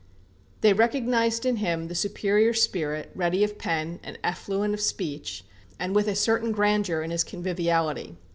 They recognized in him the superior spirit, ready of pen, and affluent of speech, and with a certain grandeur in his conviviality.